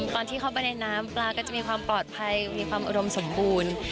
ตอนที่เข้าไปในน้ำปลาก็จะมีความปลอดภัยมีความอุดมสมบูรณ์